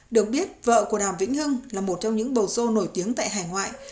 được biết vợ của đàm vĩnh hưng là một trong những bầu rô nổi tiếng tại hải ngoại